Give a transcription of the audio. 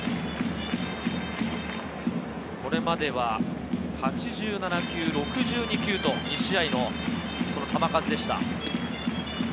これまでは８７球、６２球と１試合の球数でした。